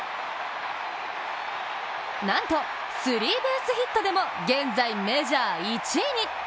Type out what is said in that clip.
なんと、スリーベースヒットでも現在、メジャー１位に！